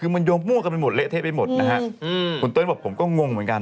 คือมันโยงมั่วกันไปหมดเละเทะไปหมดนะฮะคุณเติ้ลบอกผมก็งงเหมือนกัน